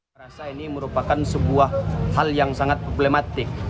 merasa ini merupakan sebuah hal yang sangat problematik